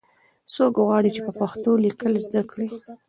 څوک غواړي چې په پښتو لیکل زده کړي؟